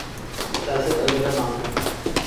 سیاست؛ البتہ نام ہے۔